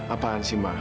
apaan sih ma